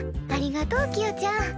ありがとうキヨちゃん。